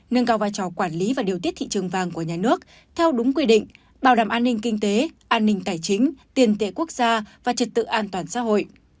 nâng cao vai trò quản lý và điều tiết thị trường vàng của nhà nước theo đúng quy định bảo đảm an ninh kinh tế an ninh tài chính tiền tệ quốc gia và trật tự an toàn xã hội